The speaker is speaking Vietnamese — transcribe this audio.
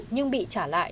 nhưng bị trả lại